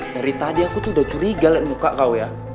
dari tadi aku tuh udah curiga lihat muka kau ya